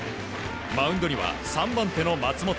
マウンドには３番手の松本。